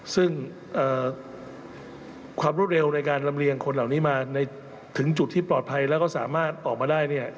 ซึ่งความรวดเร็วในการลำเลียงคนเหล่านี้มาถึงจุดที่ปลอดภัยแล้วก็สามารถออกมาได้เนี่ย